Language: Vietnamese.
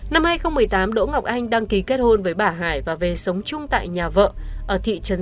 năm hai nghìn một mươi tám đỗ ngọc anh đăng ký kết hôn với bà hải và về sống chung tại nhà vợ